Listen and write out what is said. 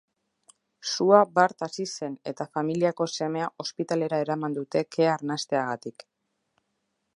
Sua bart hasi zen eta familiako semea ospitalera eraman dute kea arnasteagatik.